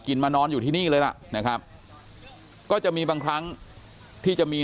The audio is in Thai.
มานอนอยู่ที่นี่เลยล่ะนะครับก็จะมีบางครั้งที่จะมี